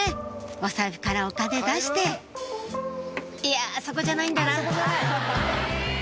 お財布からお金出していやそこじゃないんだなあっ